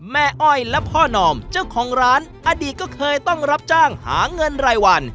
อ้อยและพ่อนอมเจ้าของร้านอดีตก็เคยต้องรับจ้างหาเงินรายวัน